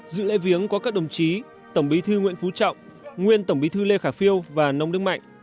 dự lễ viếng có các đồng chí tổng bí thư nguyễn phú trọng nguyên tổng bí thư lê khả phiêu và nông đức mạnh